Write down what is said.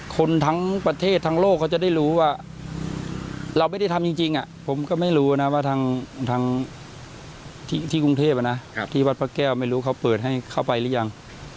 คนทั้งประเทศทั้งโลกเขาจะได้รู้ว่าเราไม่ได้ทำจริงผมก็ไม่รู้นะว่าทางที่กรุงเทพนะที่วัดพระแก้วไม่รู้เขาเปิดให้เข้าไปหรือยัง